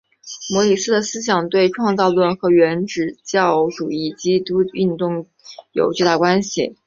摩里斯的思想对创造论和原教旨主义基督教运动有巨大影响。